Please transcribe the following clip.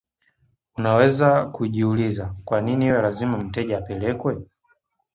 Unaweza kujiuliza kwa nini iwe lazima mteja apelekwe